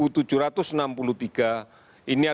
tanggal ketiga kira kira